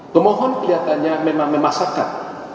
pemohon kelihatannya memang memasakkan